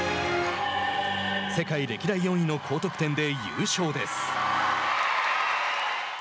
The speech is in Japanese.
世界歴代４位の高得点で優勝です。